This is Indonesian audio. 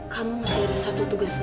kamu masih ada satu tugas lagi